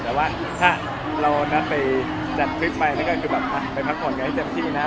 แต่ว่าถ้าเรานัดไปจัดคลิปใหม่นั่นก็คือแบบไปพักผ่อนไงเจ็บทีนะ